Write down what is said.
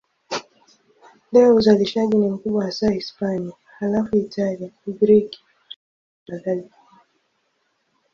Leo uzalishaji ni mkubwa hasa Hispania, halafu Italia, Ugiriki, Uturuki nakadhalika.